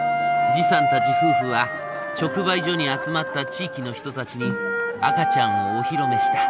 さんたち夫婦は直売所に集まった地域の人たちに赤ちゃんをお披露目した。